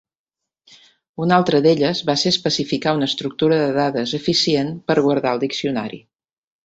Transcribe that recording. Una altra d'elles va ser especificar una estructura de dades eficient per guardar el diccionari.